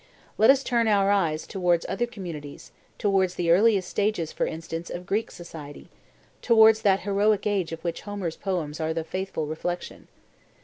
Let us turn our eyes towards other communities, towards the earliest stages, for instance, of Greek society, towards that heroic age of which Homer's poems are the faithful reflection.